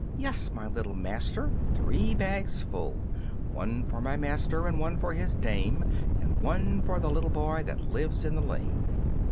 Yes, my little master, three bags full; One for my master and one for his dame, And one for the little boy that lives in the lane.